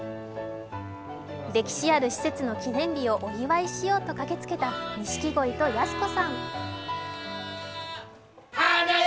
歴史ある施設の記念日をお祝いしようと駆けつけた錦鯉とやす子さん。